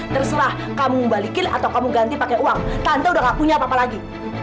terserah kamu balikin atau kamu ganti pakai uang kanto udah gak punya apa apa lagi